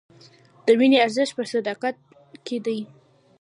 د مینې ارزښت په صداقت کې دی.